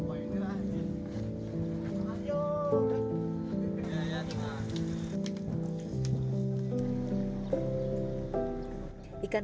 mainhut lagi kan